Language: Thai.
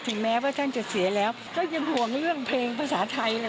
แม้ว่าท่านจะเสียแล้วก็ยังห่วงเรื่องเพลงภาษาไทยเลย